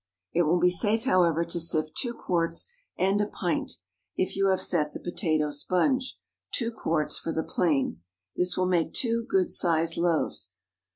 It will be safe, however, to sift two quarts and a pint, if you have set the potato sponge; two quarts for the plain. This will make two good sized loaves.